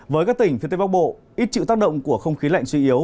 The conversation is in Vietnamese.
với các tỉnh phía tây bắc bộ ít chịu tác động của không khí lạnh suy yếu